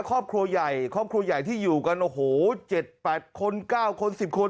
ครอบครัวใหญ่ครอบครัวใหญ่ที่อยู่กันโอ้โหเจ็ดแปดคนเก้าคนสิบคน